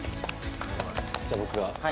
じゃあ僕が。